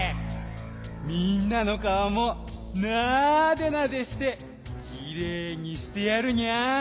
みんなのかおもなでなでしてきれいにしてやるにゃん。